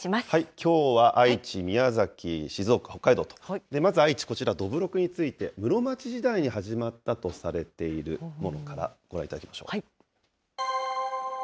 きょうは愛知、宮崎、静岡、北海道と、まず愛知、こちら、どぶろくについて、室町時代に始まったとされているものから、ご覧いただきましょう。